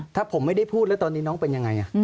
ถ้าผมไม่ได้พูดแล้วตอนนี้น้องเป็นยังไง